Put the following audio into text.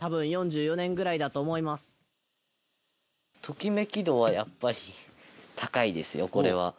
トキメキ度はやっぱり高いですよ、これは。